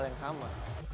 itu hal yang sama